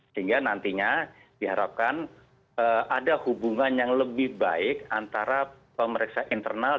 sehingga nantinya diharapkan ada hubungan yang lebih baik antara pemeriksa internal